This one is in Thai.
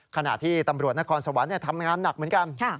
ขณะที่ตำรวจนครสวรรค์ทำงานหนักเหมือนกัน